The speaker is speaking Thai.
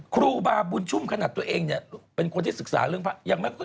ครูบาบุญชุ่มขนาดตัวเองเนี่ยเป็นคนที่ศึกษาเรื่องพระยังไม่